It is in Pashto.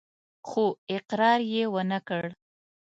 خو اقرار يې ونه کړ.